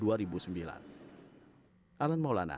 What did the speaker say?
pasangan jelajah gunamos